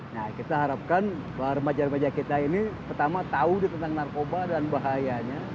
nah kita harapkan remaja remaja kita ini pertama tahu tentang narkoba dan bahayanya